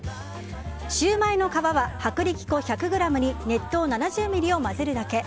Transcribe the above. シューマイの皮は薄力粉１００ｇに熱湯７０ミリを混ぜるだけ。